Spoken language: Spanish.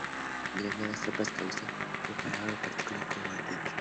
Mientras, nuevas tropas cosacas se preparaban para participar en los combates.